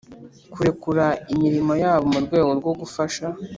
kurekura imirimo yabo mu rwego rwo gufasha